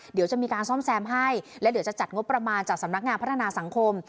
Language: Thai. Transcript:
เดี๋ยวจะมีการซ่อมแซมให้และเดี๋ยวจะจัดงบประมาณจากสำนักงานพัฒนาสังคม